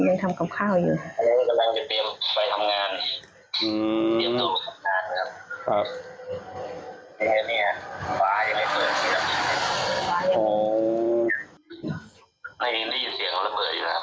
ยังได้ยินอยู่ไหม